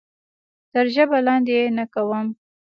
تر ژبه لاندې یې نه کوم.